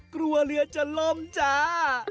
กลัวเรือจะล้มจ้า